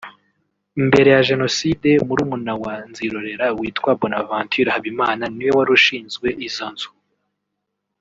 Mbere ya Jenoside murumuna wa Nzirorera witwa Bonaventure Habimana niwe wari ushinzwe izo nzu